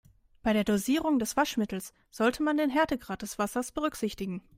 Bei der Dosierung des Waschmittels sollte man den Härtegrad des Wassers berücksichtigen.